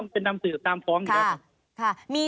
เป็นการเอา